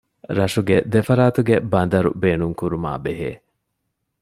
ރަށުގެ ދެފަރާތުގެ ބަނދަރު ބޭނުންކުރުމާ ބެހޭ